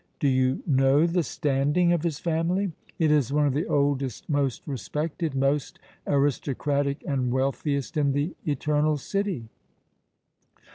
Do you know the standing of his family?" "It is one of the oldest, most respected, most aristocratic and wealthiest in the Eternal City."